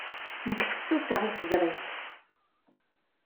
Nekk fessuseɣ i tezrirt.